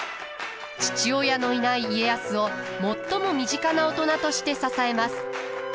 父親のいない家康を最も身近な大人として支えます。